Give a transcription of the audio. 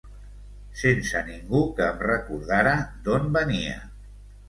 Sense ningú que em recordara d'on venia.